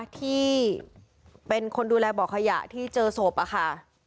ที่เป็นคนดูแลบ่อขยะที่เจอศพอะค่ะ